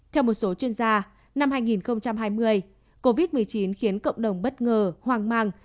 theo một số chuyên gia năm hai nghìn hai mươi covid một mươi chín khiến cộng đồng bất ngờ hoang mang